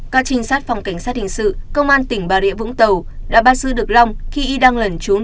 các trinh sát phòng cảnh sát hình sự công an tỉnh bà rịa vũng tàu đã bắt giữ được long khi y đang lẩn trốn